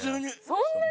そんなに！？